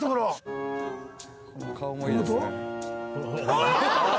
あっ！